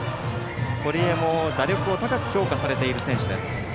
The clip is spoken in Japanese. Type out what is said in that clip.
堀江も打力を高く評価されている選手です。